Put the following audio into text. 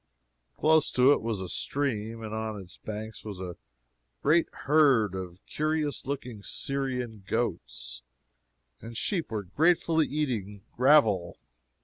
Close to it was a stream, and on its banks a great herd of curious looking Syrian goats and sheep were gratefully eating gravel.